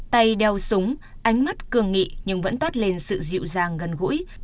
tay đeo súng ánh mắt cường nghị nhưng vẫn toát lên sự dịu dàng gần gũi